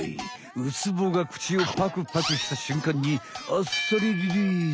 ウツボが口をパクパクしたしゅんかんにあっさりリリース！